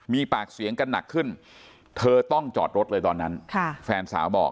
มีปากเสียงกันหนักขึ้นเธอต้องจอดรถเลยตอนนั้น